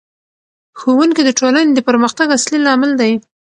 ښوونکی د ټولنې د پرمختګ اصلي لامل دی.